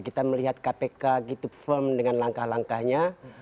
kita melihat kpk gitu firm dengan langkah langkahnya